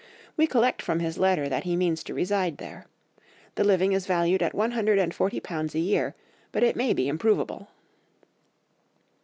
We collect from his letter that he means to reside there. The living is valued at one hundred and forty pounds a year, but it may be improvable."